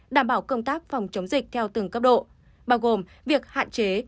đảm bảo công tác phòng chống dịch theo từng cấp độ bao gồm việc hạn chế